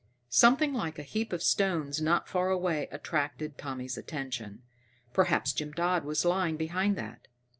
Something like a heap of stones not far away attracted Tommy's attention. Perhaps Jim Dodd was lying behind that.